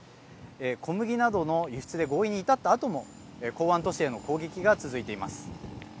小麦などの輸出で合意に至ったあとも港湾都市への攻撃が続いています。